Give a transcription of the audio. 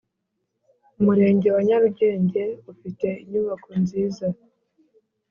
Umurenge wa Nyarugenge ufite inyubako nziza.